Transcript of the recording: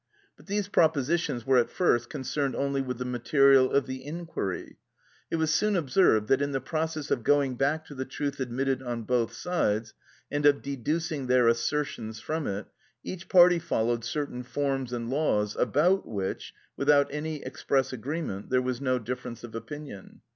But these propositions were at first concerned only with the material of the inquiry. It was soon observed that in the process of going back to the truth admitted on both sides, and of deducing their assertions from it, each party followed certain forms and laws about which, without any express agreement, there was no difference of opinion.